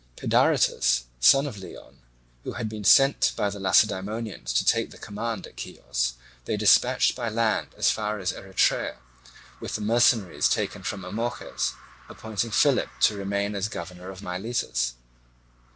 Pedaritus, son of Leon, who had been sent by the Lacedaemonians to take the command at Chios, they dispatched by land as far as Erythrae with the mercenaries taken from Amorges; appointing Philip to remain as governor of Miletus.